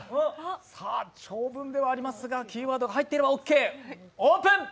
さあ長文ではありますがキーワードが入っていればオーケー。